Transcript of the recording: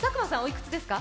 いくつですか？